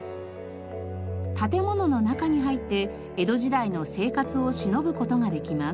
建物の中に入って江戸時代の生活をしのぶ事ができます。